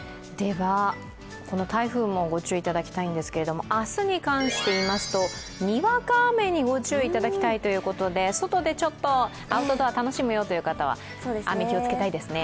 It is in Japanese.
台風もご注意いただきたいんですけれども、明日に関して言いますと、にわか雨にご注意いただきたいということで外でちょっとアウトドア楽しむよという方は雨、気をつけたいですね。